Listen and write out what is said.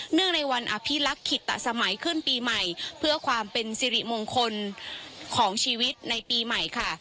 ในวันอภิรักษ์ขิตสมัยขึ้นปีใหม่เพื่อความเป็นสิริมงคลของชีวิตในปีใหม่ค่ะ